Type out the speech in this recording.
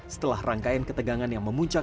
setelah rangkaian ketegangan yang memuncak